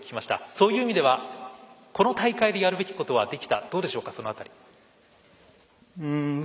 そういう意味ではこの大会でやるべきことはできましたでしょうか？